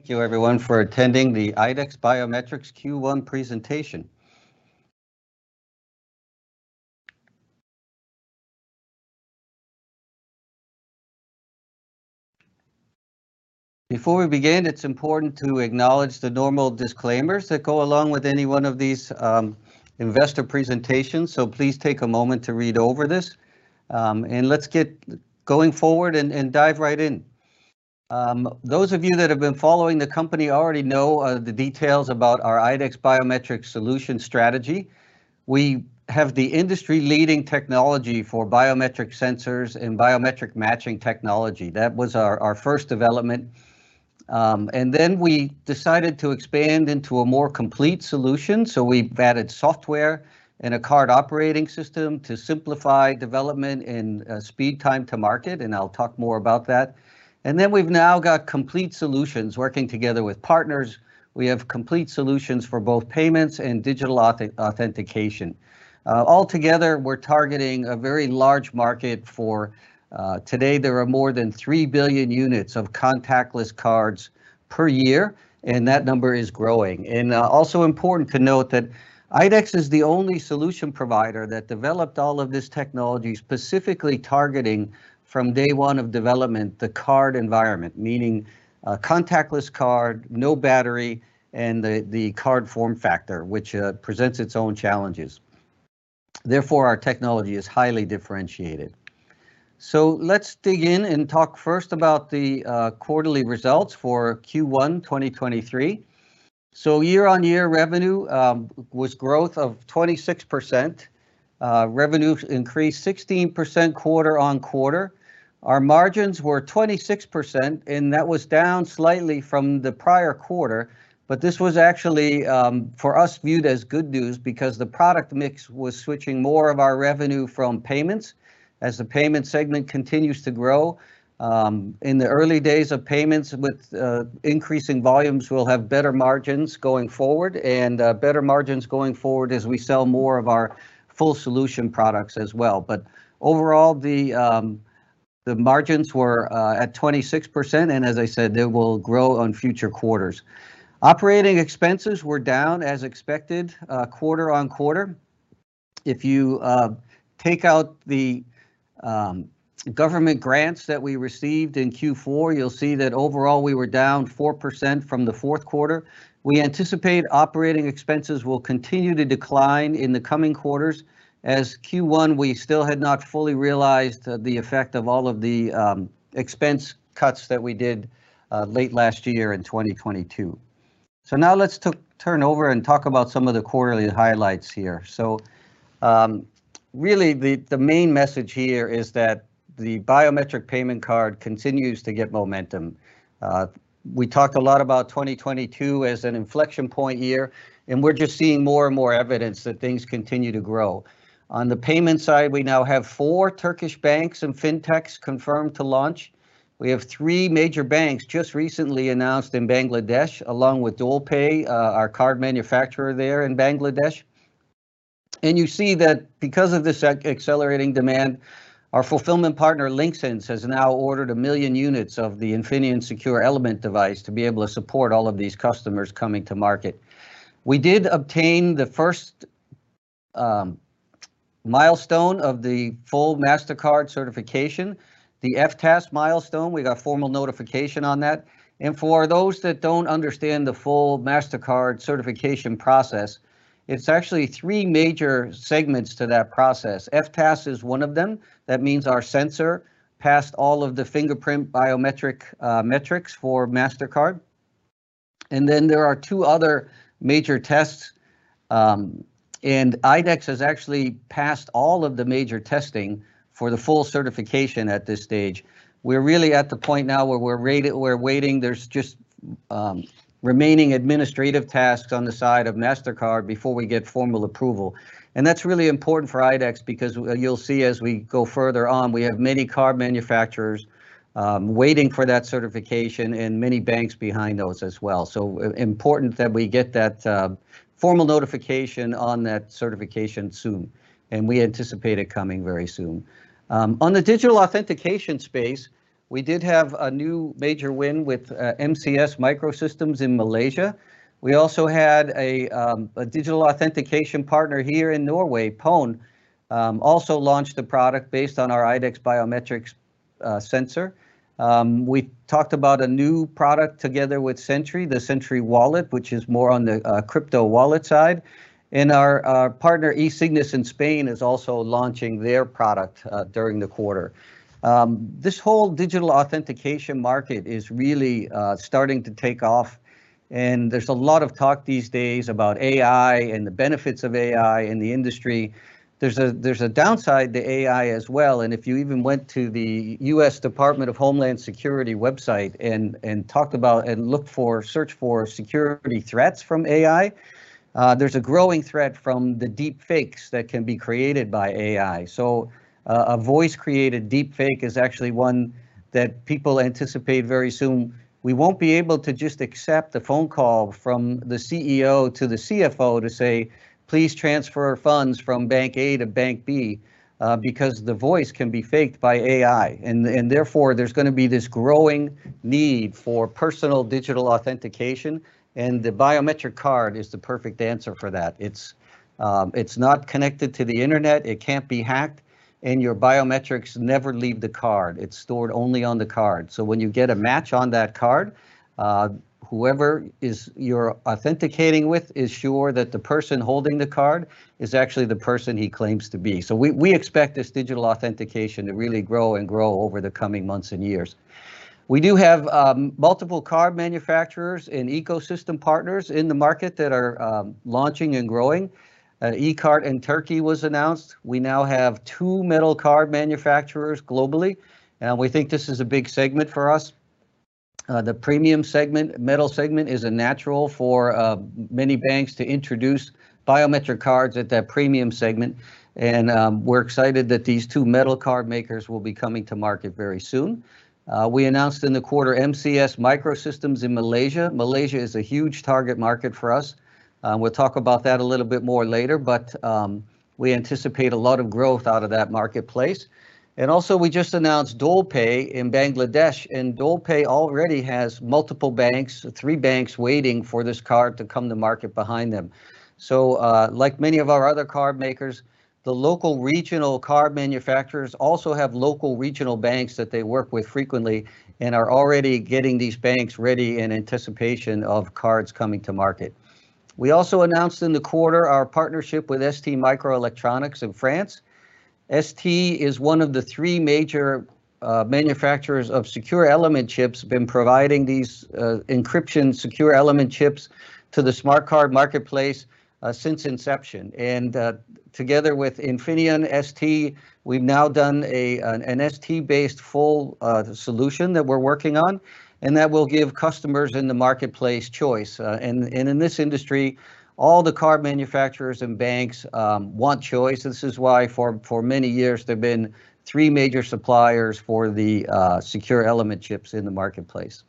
Thank you everyone for attending the IDEX Biometrics Q1 presentation. Before we begin, it's important to acknowledge the normal disclaimers that go along with any one of these investor presentations, so please take a moment to read over this. Let's get going forward and dive right in. Those of you that have been following the company already know the details about our IDEX Biometrics solution strategy. We have the industry-leading technology for biometric sensors and biometric matching technology. That was our first development. Then we decided to expand into a more complete solution, so we've added software and a card operating system to simplify development and speed time to market, and I'll talk more about that. We've now got complete solutions. Working together with partners, we have complete solutions for both payments and digital authentication. Altogether, we're targeting a very large market for today there are more than 3 billion units of contactless cards per year, and that number is growing. Also important to note that IDEX is the only solution provider that developed all of this technology specifically targeting from day one of development the card environment, meaning a contactless card, no battery, and the card form factor, which presents its own challenges. Therefore, our technology is highly differentiated. Let's dig in and talk first about the quarterly results for Q1 2023. Year-on-year revenue was growth of 26%. Revenue increased 16% quarter-on-quarter. Our margins were 26%, that was down slightly from the prior quarter, but this was actually for us viewed as good news because the product mix was switching more of our revenue from payments as the payment segment continues to grow. In the early days of payments with increasing volumes, we'll have better margins going forward and better margins going forward as we sell more of our full solution products as well. Overall, the margins were at 26%, and as I said, they will grow on future quarters. Operating expenses were down as expected, quarter-on-quarter. If you take out the government grants that we received in Q4, you'll see that overall we were down 4% from the fourth quarter. We anticipate operating expenses will continue to decline in the coming quarters as Q1 we still had not fully realized the effect of all of the expense cuts that we did late last year in 2022. Now let's turn over and talk about some of the quarterly highlights here. Really the main message here is that the biometric payment card continues to get momentum. We talked a lot about 2022 as an inflection point year, and we're just seeing more and more evidence that things continue to grow. On the payment side, we now have 4 Turkish banks and Fintechs confirmed to launch. We have 3 major banks just recently announced in Bangladesh along with DOELPay, our card manufacturer there in Bangladesh. You see that because of this accelerating demand, our fulfillment partner, Linxens, has now ordered 1 million units of the Infineon Secure Element device to be able to support all of these customers coming to market. We did obtain the first milestone of the full Mastercard certification, the FTSA milestone. We got formal notification on that. For those that don't understand the full Mastercard certification process, it's actually 3 major segments to that process. FTSA is one of them. That means our sensor passed all of the fingerprint biometric metrics for Mastercard. There are 2 other major tests. IDEX has actually passed all of the major testing for the full certification at this stage. We're really at the point now where we're waiting. There's just remaining administrative tasks on the side of Mastercard before we get formal approval. That's really important for IDEX because you'll see as we go further on, we have many card manufacturers waiting for that certification and many banks behind those as well. Important that we get that formal notification on that certification soon, and we anticipate it coming very soon. On the digital authentication space, we did have a new major win with MCS Microsystems in Malaysia. We also had a digital authentication partner here in Norway. Pone also launched a product based on our IDEX Biometrics sensor. We talked about a new product together with Sentry, the Sentinel Wallet, which is more on the crypto wallet side. Our partner, eSignus in Spain, is also launching their product during the quarter. This whole digital authentication market is really starting to take off, and there's a lot of talk these days about AI and the benefits of AI in the industry. There's a downside to AI as well, and if you even went to the U.S. Department of Homeland Security website and talked about and looked for, searched for security threats from AI, there's a growing threat from the deepfakes that can be created by AI. A voice-created deepfake is actually one that people anticipate very soon. We won't be able to just accept a phone call from the CEO to the CFO to say, "Please transfer funds from bank A to bank B," because the voice can be faked by AI. Therefore, there's gonna be this growing need for personal digital authentication, and the biometric card is the perfect answer for that. It's not connected to the internet, it can't be hacked, and your biometrics never leave the card. It's stored only on the card. When you get a match on that card, whoever is you're authenticating with is sure that the person holding the card is actually the person he claims to be. We expect this digital authentication to really grow and grow over the coming months and years. We do have multiple card manufacturers and ecosystem partners in the market that are launching and growing. E-Kart in Turkey was announced. We now have two metal card manufacturers globally, and we think this is a big segment for us. The premium segment, metal segment, is a natural for many banks to introduce biometric cards at that premium segment, and we're excited that these two metal card makers will be coming to market very soon. We announced in the quarter MCS Microsystems in Malaysia. Malaysia is a huge target market for us. We'll talk about that a little bit more later, but we anticipate a lot of growth out of that marketplace. Also we just announced DOELPay in Bangladesh, and DOELPay already has multiple banks, 3 banks waiting for this card to come to market behind them. Like many of our other card makers, the local regional card manufacturers also have local regional banks that they work with frequently and are already getting these banks ready in anticipation of cards coming to market. We also announced in the quarter our partnership with STMicroelectronics in France. ST is one of the three major manufacturers of Secure Element chips, been providing these encryption Secure Element chips to the smart card marketplace since inception. Together with Infineon ST, we've now done an ST-based full solution that we're working on, and that will give customers in the marketplace choice. In this industry, all the card manufacturers and banks want choice. This is why for many years there have been three major suppliers for the Secure Element chips in the marketplace.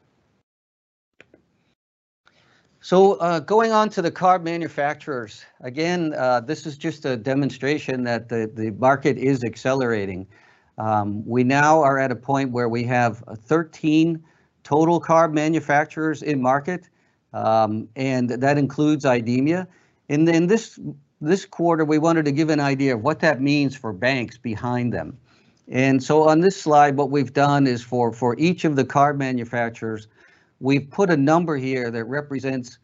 Going on to the card manufacturers, again, this is just a demonstration that the market is accelerating. We now are at a point where we have 13 total card manufacturers in market, and that includes IDEMIA. This quarter, we wanted to give an idea of what that means for banks behind them. On this slide, what we've done is for each of the card manufacturers, we've put a number here that represents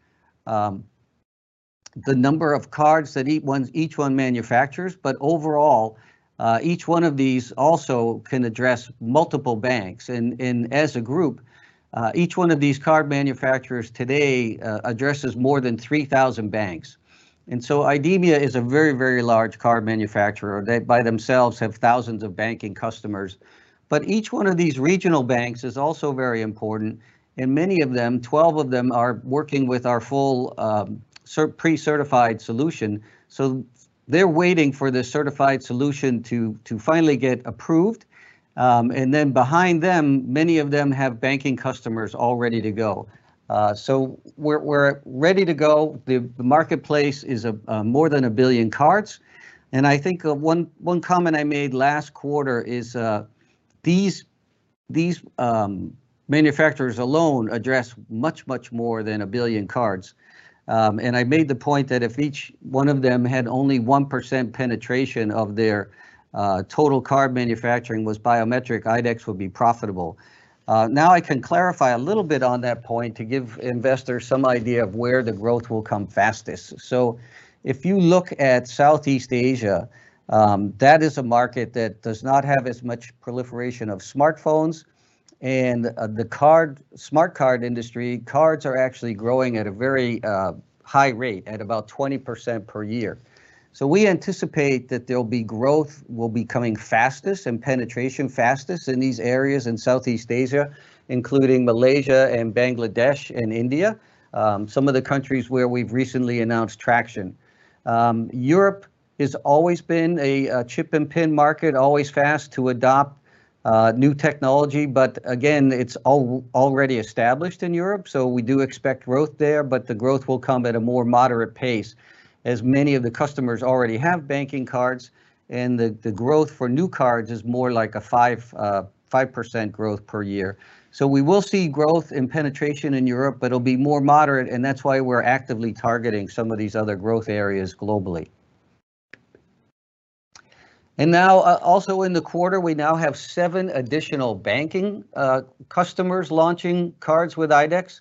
the number of cards that each one manufactures. Overall, each one of these also can address multiple banks. As a group, each one of these card manufacturers today addresses more than 3,000 banks. IDEMIA is a very large card manufacturer. They by themselves have thousands of banking customers. Each one of these regional banks is also very important, and many of them, 12 of them, are working with our full pre-certified solution. They're waiting for the certified solution to finally get approved. Um, and then behind them, many of them have banking customers all ready to go. Uh, so we're, we're ready to go. The, the marketplace is a, uh more than a billion cards. And I think, uh, one, one comment I made last quarter is, uh, these, these, um, manufacturers alone address much, much more than a billion cards. Um, and I made the point that if each one of them had only one percent penetration of their, uh, total card manufacturing was biometric, IDEX will be profitable. Uh, now I can clarify a little bit on that point to give investors some idea of where the growth will come fastest. If you look at Southeast Asia, that is a market that does not have as much proliferation of smartphones and the card, smart card industry, cards are actually growing at a very high rate at about 20% per year. We anticipate that there'll be growth will be coming fastest and penetration fastest in these areas in Southeast Asia, including Malaysia and Bangladesh and India, some of the countries where we've recently announced traction. Europe has always been a chip and PIN market, always fast to adopt new technology. Again, it's already established in Europe, we do expect growth there, the growth will come at a more moderate pace, as many of the customers already have banking cards, and the growth for new cards is more like a 5% growth per year. We will see growth and penetration in Europe, but it'll be more moderate, and that's why we're actively targeting some of these other growth areas globally. Now, also in the quarter, we now have 7 additional banking customers launching cards with IDEX.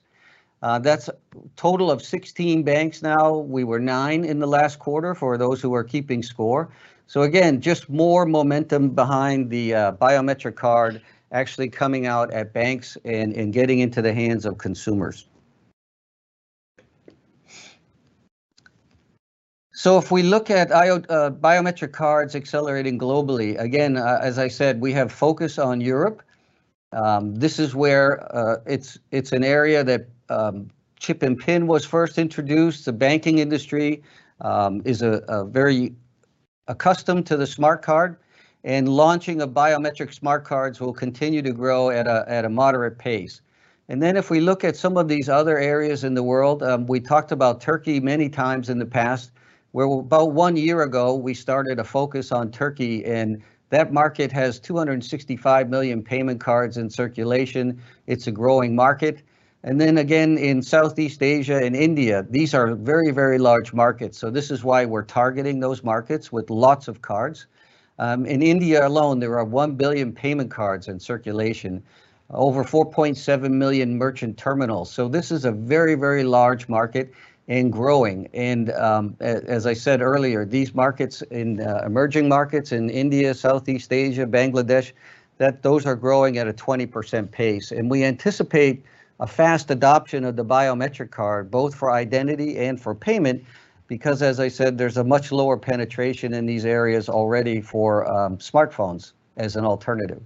That's total of 16 banks now. We were 9 in the last quarter for those who are keeping score. Again, just more momentum behind the biometric card actually coming out at banks and getting into the hands of consumers. If we look at biometric cards accelerating globally, again, as I said, we have focus on Europe. This is where it's an area that chip and PIN was first introduced. The banking industry, is a very accustomed to the smart card, and launching of biometric smart cards will continue to grow at a moderate pace. If we look at some of these other areas in the world, we talked about Turkey many times in the past, where about 1 year ago, we started a focus on Turkey, and that market has 265 million payment cards in circulation. It's a growing market. Again, in Southeast Asia and India, these are very, very large markets. This is why we're targeting those markets with lots of cards. In India alone, there are 1 billion payment cards in circulation, over 4.7 million merchant terminals. This is a very, very large market and growing. As I said earlier, these markets in emerging markets in India, Southeast Asia, Bangladesh, those are growing at a 20% pace. We anticipate a fast adoption of the biometric card, both for identity and for payment, because as I said, there's a much lower penetration in these areas already for smartphones as an alternative.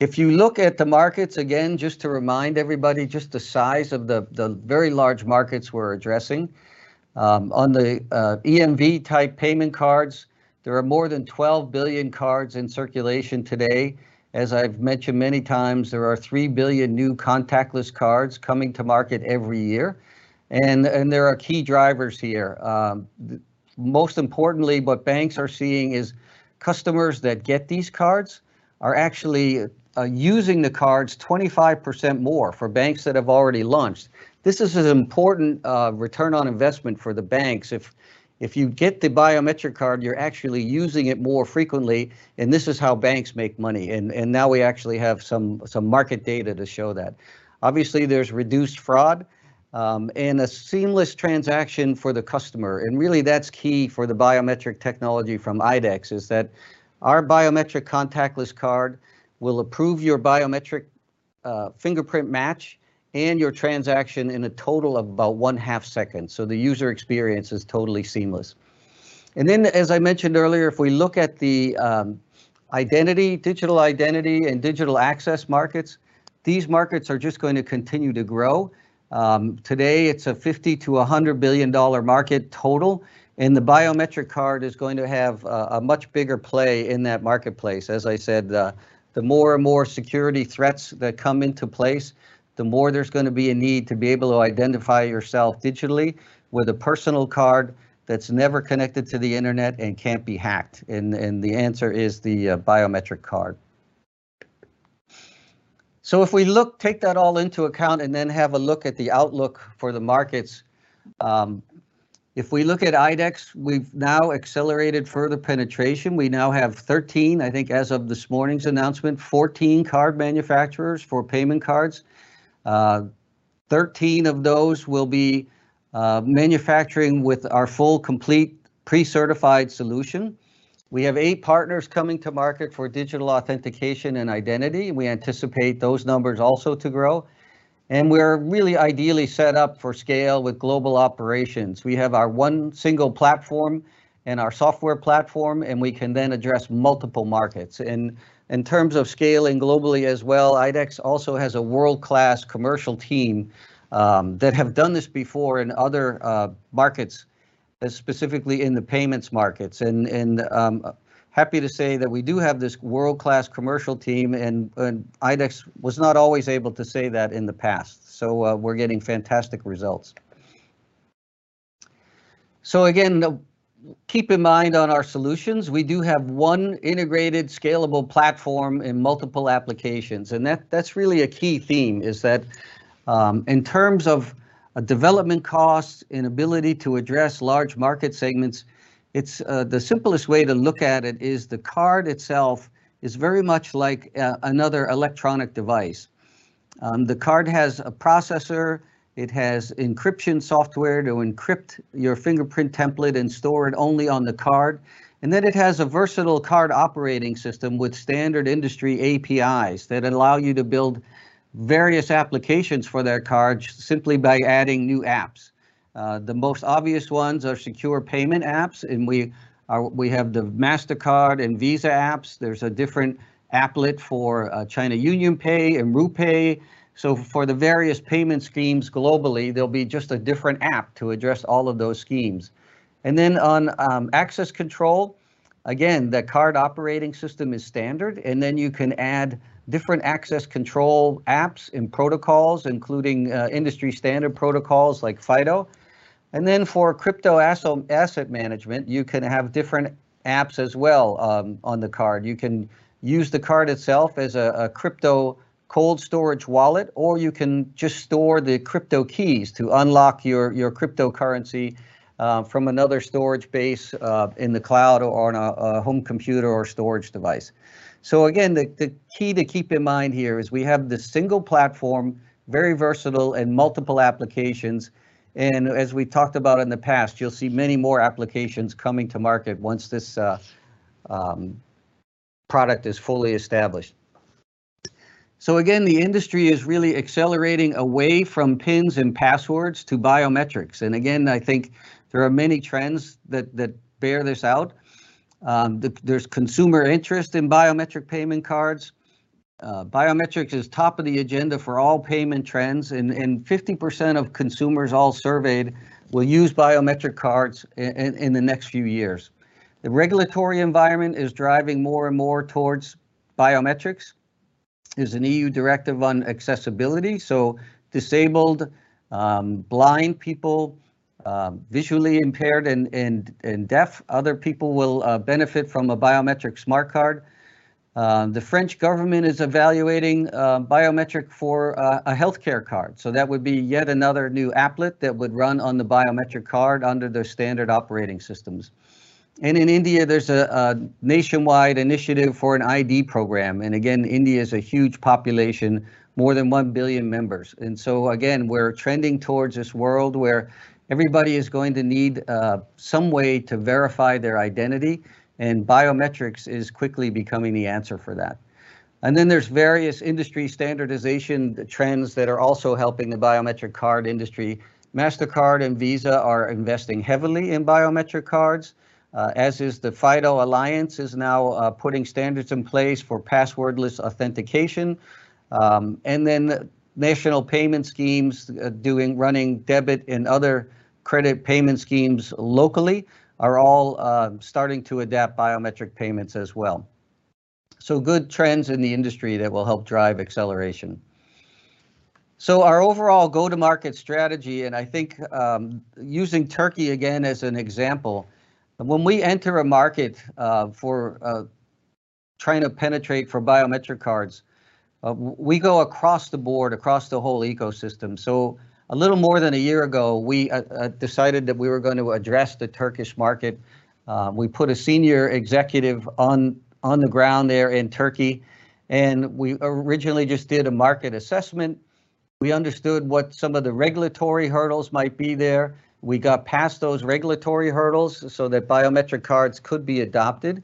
If you look at the markets again, just to remind everybody just the size of the very large markets we're addressing, on the EMV type payment cards, there are more than 12 billion cards in circulation today. As I've mentioned many times, there are 3 billion new contactless cards coming to market every year, and there are key drivers here. Most importantly, what banks are seeing is customers that get these cards are actually using the cards 25% more for banks that have already launched. This is an important ROI for the banks. If you get the biometric card, you're actually using it more frequently, and this is how banks make money. Now we actually have some market data to show that. Obviously, there's reduced fraud and a seamless transaction for the customer. Really that's key for the biometric technology from IDEX is that our biometric contactless card will approve your biometric fingerprint match and your transaction in a total of about one half second, so the user experience is totally seamless. As I mentioned earlier, if we look at the identity, digital identity and digital access markets, these markets are just going to continue to grow. Today it's a $50 billion-$100 billion market total, and the biometric card is going to have a much bigger play in that marketplace. As I said, the more and more security threats that come into place, the more there's gonna be a need to be able to identify yourself digitally with a personal card that's never connected to the internet and can't be hacked. The answer is the biometric card. We look, take that all into account, and then have a look at the outlook for the markets, if we look at IDEX, we've now accelerated further penetration. We now have 13, I think as of this morning's announcement, 14 card manufacturers for payment cards. 13 of those will be manufacturing with our full complete pre-certified solution. We have 8 partners coming to market for digital authentication and identity. We anticipate those numbers also to grow. We're really ideally set up for scale with global operations. We have our 1 single platform and our software platform, and we can then address multiple markets. In terms of scaling globally as well, IDEX also has a world-class commercial team, that have done this before in other markets, specifically in the payments markets. Happy to say that we do have this world-class commercial team, and IDEX was not always able to say that in the past. We're getting fantastic results. Again, keep in mind on our solutions, we do have one integrated scalable platform in multiple applications, and that's really a key theme, is that, in terms of development costs and ability to address large market segments, it's the simplest way to look at it is the card itself is very much like another electronic device. The card has a processor. It has encryption software to encrypt your fingerprint template and store it only on the card. It has a versatile card operating system with standard industry APIs that allow you to build various applications for that card simply by adding new apps. The most obvious ones are secure payment apps, and we have the Mastercard and Visa apps. There's a different applet for China UnionPay and RuPay. For the various payment schemes globally, there'll be just a different app to address all of those schemes. On access control, again, the card operating system is standard, and then you can add different access control apps and protocols, including industry standard protocols like FIDO. For crypto asset management, you can have different apps as well on the card. You can use the card itself as a crypto cold storage wallet, or you can just store the crypto keys to unlock your cryptocurrency from another storage base in the cloud or on a home computer or storage device. Again, the key to keep in mind here is we have this single platform, very versatile in multiple applications. As we talked about in the past, you'll see many more applications coming to market once this product is fully established. Again, the industry is really accelerating away from PINs and passwords to biometrics. Again, I think there are many trends that bear this out. There's consumer interest in biometric payment cards. Biometrics is top of the agenda for all payment trends. 50% of consumers all surveyed will use biometric cards in the next few years. The regulatory environment is driving more and more towards biometrics. There's an European Accessibility Act, so disabled, blind people, visually impaired and deaf, other people will benefit from a biometric smart card. The French government is evaluating biometric for a healthcare card. That would be yet another new applet that would run on the biometric card under their standard operating systems. In India, there's a nationwide initiative for an ID program. Again, India is a huge population, more than 1 billion members. Again, we're trending towards this world where everybody is going to need some way to verify their identity, and biometrics is quickly becoming the answer for that. There's various industry standardization trends that are also helping the biometric card industry. Mastercard and Visa are investing heavily in biometric cards. As is the FIDO Alliance is now putting standards in place for password-less authentication. National payment schemes doing, running debit and other credit payment schemes locally are all starting to adapt biometric payments as well. So good trends in the industry that will help drive acceleration. Our overall go-to-market strategy, and I think, using Turkey again as an example, when we enter a market for trying to penetrate for biometric cards, we go across the board, across the whole ecosystem. A little more than a year ago, we decided that we were going to address the Turkish market. We put a senior executive on the ground there in Turkey, and we originally just did a market assessment. We understood what some of the regulatory hurdles might be there. We got past those regulatory hurdles so that biometric cards could be adopted.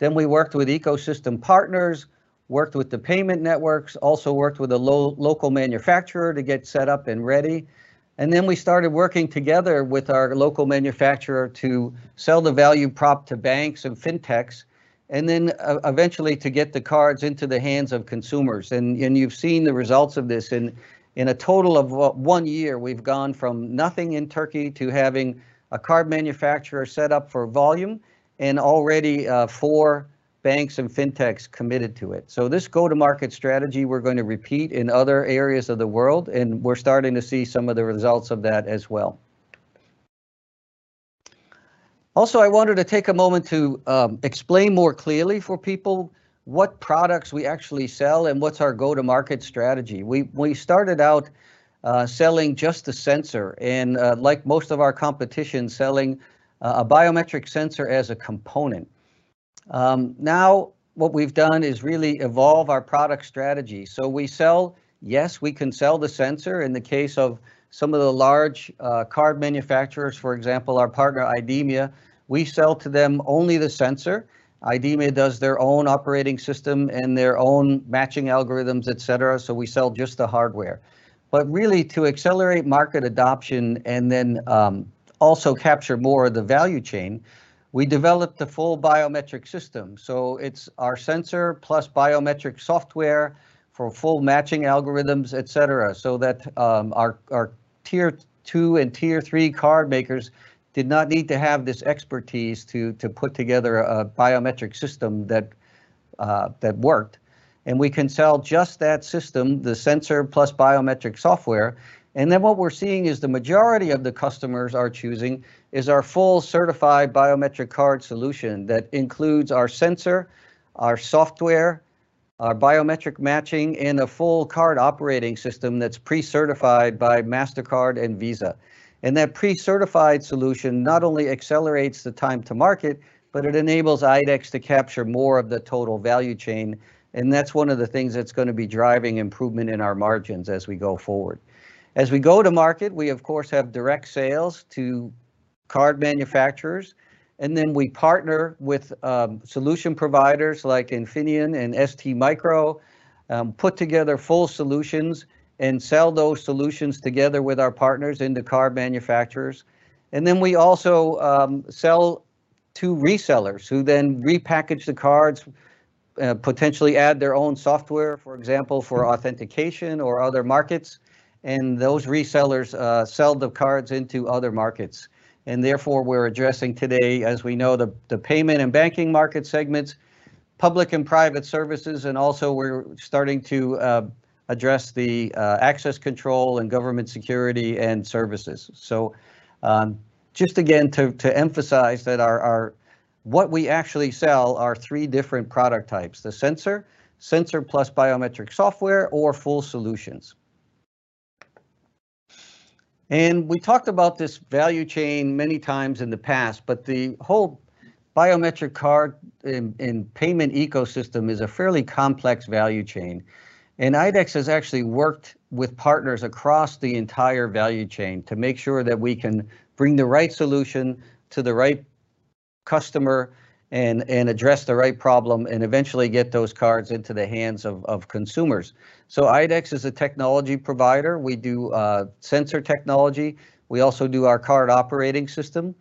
We worked with ecosystem partners, worked with the payment networks, also worked with a local manufacturer to get set up and ready. Then we started working together with our local manufacturer to sell the value prop to banks and fintechs, and then eventually to get the cards into the hands of consumers. You've seen the results of this. In a total of one year, we've gone from nothing in Turkey to having a card manufacturer set up for volume and already, four banks and fintechs committed to it. This go-to-market strategy we're going to repeat in other areas of the world, and we're starting to see some of the results of that as well. I wanted to take a moment to explain more clearly for people what products we actually sell and what's our go-to-market strategy. We started out selling just the sensor, and, like most of our competition, selling a biometric sensor as a component. Now what we've done is really evolve our product strategy. We sell, yes, we can sell the sensor. In the case of some of the large card manufacturers, for example, our partner IDEMIA, we sell to them only the sensor. IDEMIA does their own operating system and their own matching algorithms, et cetera, so we sell just the hardware. Really to accelerate market adoption and then also capture more of the value chain, we developed a full biometric system. It's our sensor plus biometric software for full matching algorithms, et cetera, so that our tier two and tier three card makers did not need to have this expertise to put together a biometric system that worked. We can sell just that system, the sensor plus biometric software. Then what we're seeing is the majority of the customers are choosing is our full certified biometric card solution that includes our sensor, our software, our biometric matching, and a full card operating system that's pre-certified by Mastercard and Visa. That pre-certified solution not only accelerates the time to market, but it enables IDEX to capture more of the total value chain, and that's one of the things that's gonna be driving improvement in our margins as we go forward. As we go to market, we of course have direct sales to card manufacturers, then we partner with solution providers like Infineon and STMicro, put together full solutions and sell those solutions together with our partners and the card manufacturers. We also sell to resellers who then repackage the cards, potentially add their own software, for example, for authentication or other markets. Those resellers sell the cards into other markets. We're addressing today, as we know, the payment and banking market segments, public and private services, and also we're starting to address the access control and government security and services. Just again to emphasize that our what we actually sell are three different product types, the sensor plus biometric software, or full solutions. We talked about this value chain many times in the past, but the whole biometric card and payment ecosystem is a fairly complex value chain. IDEX has actually worked with partners across the entire value chain to make sure that we can bring the right solution to the right customer and address the right problem, and eventually get those cards into the hands of consumers. IDEX is a technology provider. We do sensor technology. We also do our card operating system.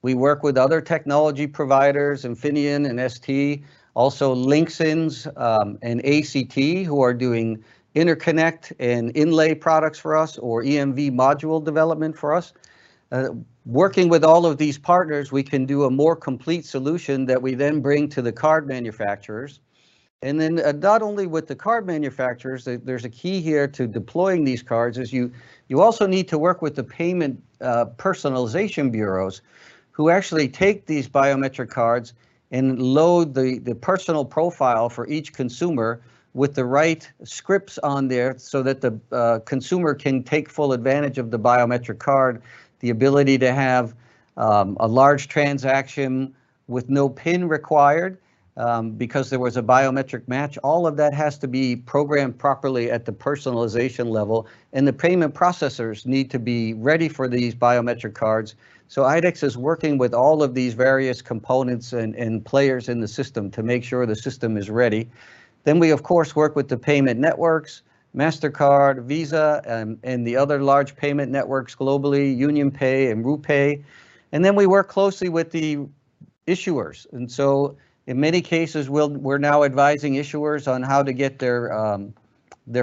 We work with other technology providers, Infineon and ST, also Linxens, and ACT, who are doing interconnect and inlay products for us or EMV module development for us. Working with all of these partners, we can do a more complete solution that we then bring to the card manufacturers. Not only with the card manufacturers, there's a key here to deploying these cards, is you also need to work with the payment personalization bureaus, who actually take these biometric cards and load the personal profile for each consumer with the right scripts on there so that the consumer can take full advantage of the biometric card. The ability to have a large transaction with no PIN required, because there was a biometric match. All of that has to be programmed properly at the personalization level. The payment processors need to be ready for these biometric cards. IDEX is working with all of these various components and players in the system to make sure the system is ready. We of course work with the payment networks, Mastercard, Visa, and the other large payment networks globally, UnionPay and RuPay. We work closely with the issuers. In many cases, we're now advising issuers on how to get their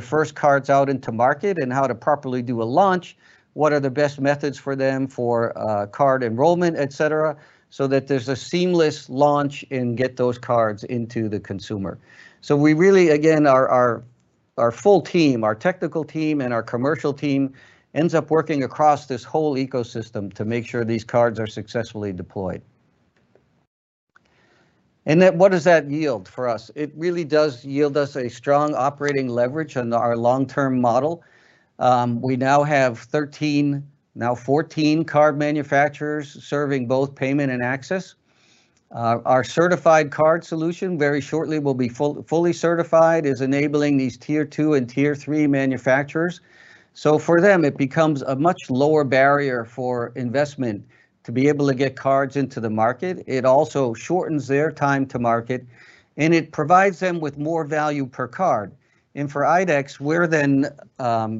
first cards out into market and how to properly do a launch, what are the best methods for them for card enrollment, et cetera, so that there's a seamless launch and get those cards into the consumer. We really, again, our full team, our technical team and our commercial team ends up working across this whole ecosystem to make sure these cards are successfully deployed. What does that yield for us? It really does yield us a strong operating leverage on our long-term model. We now have 13, now 14 card manufacturers serving both payment and access. Our certified card solution very shortly will be fully certified, is enabling these tier two and tier three manufacturers. For them, it becomes a much lower barrier for investment to be able to get cards into the market. It also shortens their time to market, and it provides them with more value per card. For IDEX, we're then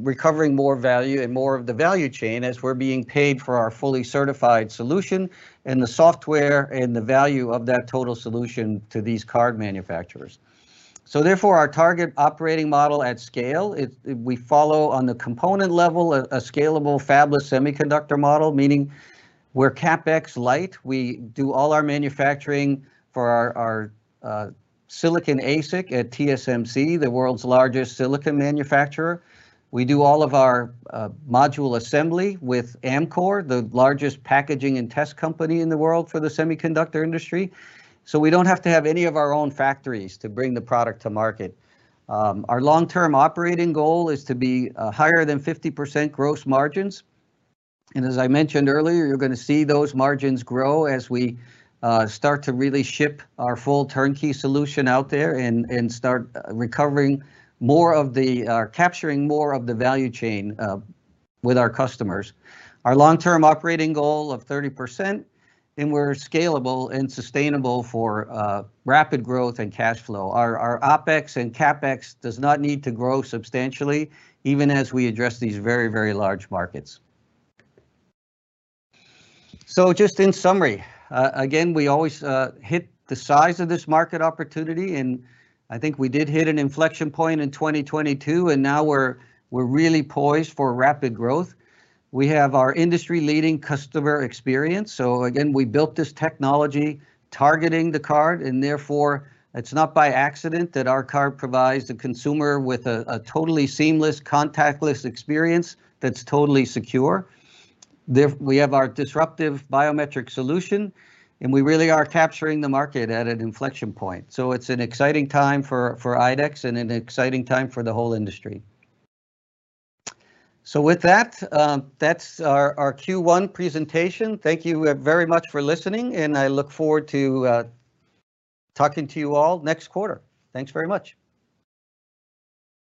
recovering more value and more of the value chain as we're being paid for our fully certified solution and the software and the value of that total solution to these card manufacturers. Therefore, our target operating model at scale, we follow on the component level a scalable fabless semiconductor model, meaning we're CapEx light. We do all our manufacturing for our silicon ASIC at TSMC, the world's largest silicon manufacturer. We do all of our module assembly with Amkor, the largest packaging and test company in the world for the semiconductor industry. We don't have to have any of our own factories to bring the product to market. Our long-term operating goal is to be higher than 50% gross margins. As I mentioned earlier, you're gonna see those margins grow as we start to really ship our full turnkey solution out there and start recovering more of the, or capturing more of the value chain with our customers. Our long-term operating goal of 30%. We're scalable and sustainable for rapid growth and cash flow. Our OpEx and CapEx does not need to grow substantially, even as we address these very, very large markets. Just in summary, again, we always hit the size of this market opportunity, and I think we did hit an inflection point in 2022, and now we're really poised for rapid growth. We have our industry-leading customer experience. Again, we built this technology targeting the card, and therefore it's not by accident that our card provides the consumer with a totally seamless contactless experience that's totally secure. We have our disruptive biometric solution, and we really are capturing the market at an inflection point. It's an exciting time for IDEX and an exciting time for the whole industry. With that's our Q1 presentation. Thank you very much for listening, and I look forward to talking to you all next quarter. Thanks very much.